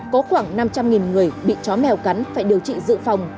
có khoảng năm trăm linh người bị chó mèo cắn phải điều trị dự phòng